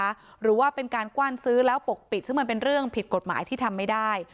หรือว่าเป็นการกว้านซื้อแล้วปกปิดซึ่งมันเป็นเรื่องผิดกฎหมายที่ทำไม่ได้